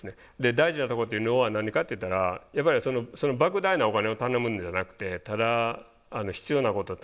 大事なとこっていうのは何かって言ったらやっぱりそのばく大なお金を頼むんじゃなくてただ必要なことを頼むだけで。